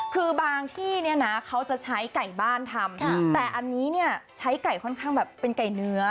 คือบางที่เนี่ยนะเขาจะใช้ไก่บ้านทำแต่อันนี้เนี่ยใช้ไก่ค่อนข้างแบบเป็นไก่เนื้อ